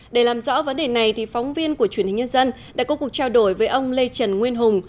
để làm rõ vấn đề này phóng viên của truyền hình nhân dân đã có cuộc trao đổi với ông lê trần nguyên hùng